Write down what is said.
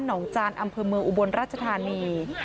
องจานอำเภอเมืองอุบลราชธานี